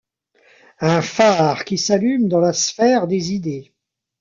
Un phare qui s'allume dans la sphère des idées.